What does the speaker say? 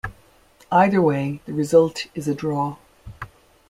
Either way, the result is a draw.